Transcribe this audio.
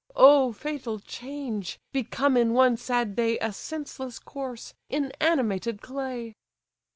O fatal change! become in one sad day A senseless corse! inanimated clay!"